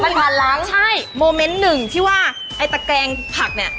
มันผ่านล้างใช่โมเมนต์หนึ่งที่ว่าไอ้ตะแกงผักเนี่ย